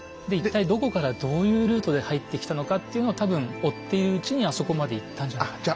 で一体どこからどういうルートで入ってきたのかっていうのを多分追っているうちにあそこまで行ったんじゃないか。